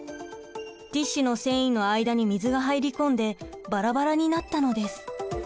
ティッシュの繊維の間に水が入り込んでバラバラになったのです。